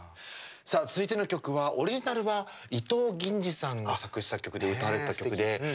さあ、続いての曲はオリジナルは伊藤銀次さんが作詞・作曲で歌われてた曲で。